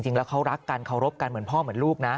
จริงแล้วเขารักกันเคารพกันเหมือนพ่อเหมือนลูกนะ